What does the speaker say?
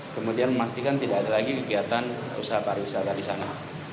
kemudian memastikan tidak ada lagi kegiatan usaha pariwisata di sana